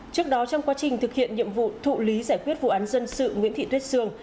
trước đó trong quá trình thực hiện nhiệm vụ thụ lý giải quyết vụ án dân sự nguyễn thị thuyết sương